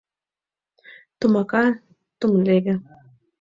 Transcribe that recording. Тумака — тумлеге.